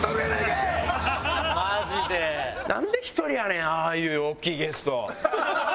なんで１人やねんああいう大きいゲスト。